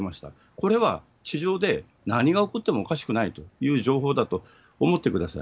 これは地上で何が起こってもおかしくないという情報だと思ってください。